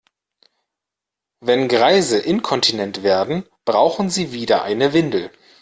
Wenn Greise inkontinent werden, brauchen sie wieder eine Windel.